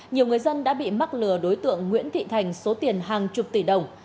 nhiều người dân đã bị mắc lừa đối tượng nguyễn thị thành số tiền hàng chục tỷ đồng